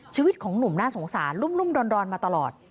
ชีวิตของหนุ่มน่าสงสารรุ่มดอนมาตลอด